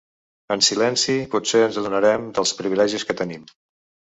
En silenci potser ens adonarem dels privilegis que tenim.